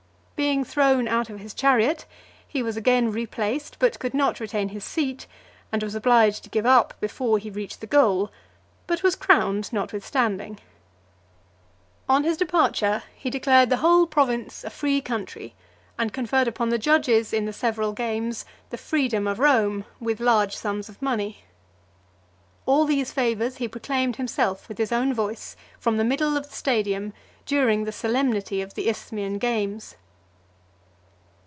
Being thrown out of his chariot, he was again replaced, but could not retain his seat, and was obliged to give up, before he reached the goal, but was crowned notwithstanding. On his departure, he declared the whole province a free country, and conferred upon the judges in the several games the freedom of Rome, with large sums of money. All these favours he proclaimed himself with his own voice, from the middle of the Stadium, during the solemnity of the Isthmian games.